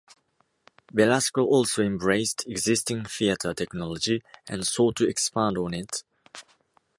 Belasco also embraced existing theatre technology and sought to expand on it.